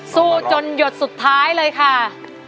สู้จนหยดสุดท้ายเลยค่ะ